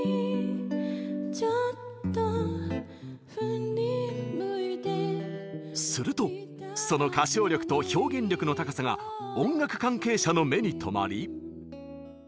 「ちょっとふり向いて」するとその歌唱力と表現力の高さが音楽関係者の目に留まり。